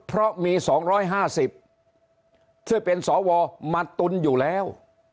เพราะมีสองร้อยห้าสิบที่เป็นสวมาตุลอยู่แล้ว